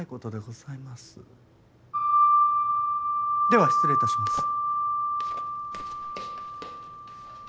では失礼致します。